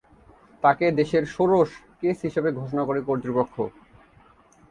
তাকে দেশের ষোড়শ কেস হিসেবে ঘোষণা করে কর্তৃপক্ষ।